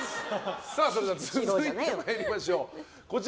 それでは続いて参りましょう。